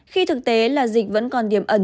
khi thực tế là dịch vẫn còn điểm ẩn